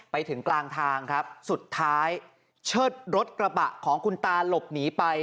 ไปถึงกลางทางครับสุดท้ายเชิดรถกระบะของคุณตาหลบหนีไป